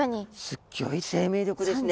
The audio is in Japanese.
すっギョい生命力ですね。